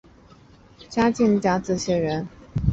嘉靖甲子解元。